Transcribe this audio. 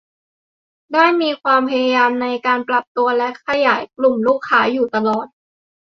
ได้มีความพยายามในการปรับตัวและขยายกลุ่มลูกค้าอยู่ตลอด